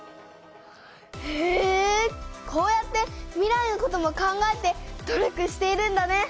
へえこうやって未来のことも考えて努力しているんだね。